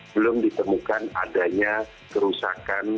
belum ditemukan adanya kerusakan